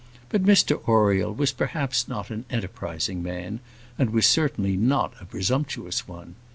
But Mr Oriel was perhaps not an enterprising man, and was certainly not a presumptuous one.